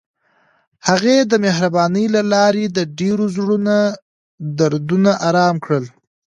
هغې د مهربانۍ له لارې د ډېرو زړونو دردونه ارام کړل.